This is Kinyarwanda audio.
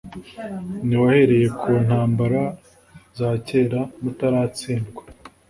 “ntiwahereye ku ntambara za cyera mutaratsindwa,